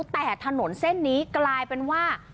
แต่ถนนเส้นนี้กลายเป็นว่า